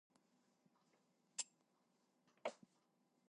She boils up the courage to leave her superstar boyfriend.